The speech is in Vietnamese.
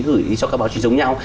gửi đi cho các báo chí giống nhau